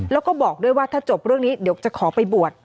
แล้วก็บอกด้วยว่าถ้าจบเรื่องนี้เดี๋ยวจะขอไปบวช